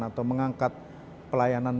atau mengangkat pelayanan